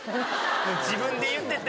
自分で言ってて。